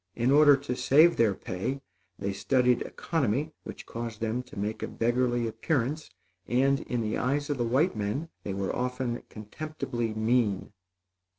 In order to save their pay, they studied economy, which caused them to make a beggarly appearance, and, in the eyes of the white men, they were often contemptibly mean.